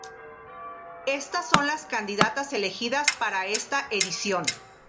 Estas son las candidatas elegidas para esta edición.